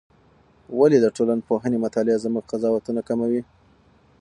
ولې د ټولنپوهنې مطالعه زموږ قضاوتونه کموي؟